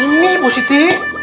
ini bu siti